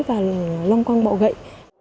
và loang quang bỏ gậy